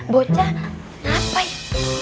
bocah ngapa ya